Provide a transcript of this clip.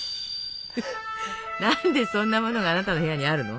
何でそんなものがあなたの部屋にあるの？